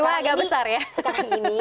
jua agak besar ya